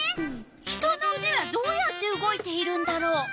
人のうではどうやって動いているんだろう？